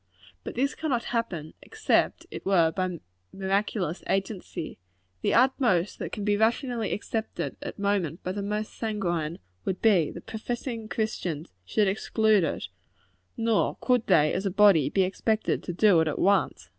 But this cannot happen, except it were by miraculous agency. The utmost that can be rationally expected at present by the most sanguine, would be, that professing Christians should exclude it; nor could they, as a body, be expected to do it at once.